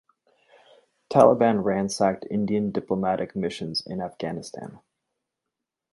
Taliban ransacked Indian diplomatic missions in Afghanistan.